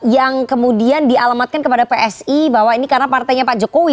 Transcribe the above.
yang kemudian dialamatkan kepada psi bahwa ini karena partainya pak jokowi